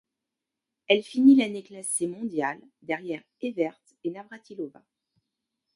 Elle finit l'année classée mondiale, derrière Evert et Navrátilová.